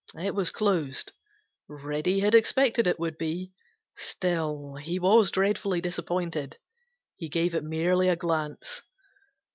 It was closed. Reddy had expected it would be. Still, he was dreadfully disappointed. He gave it merely a glance.